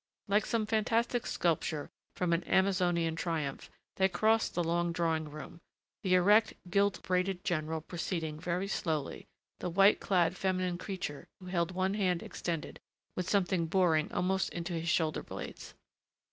Like some fantastic sculpture from an Amazonian triumph, they crossed the long drawing room, the erect, gilt braided general preceding, very slowly, the white clad feminine creature, who held one hand extended, with something boring almost into his shoulder blades.